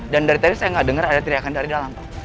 dan dari tadi saya nggak dengar ada teriakan dari dalam pak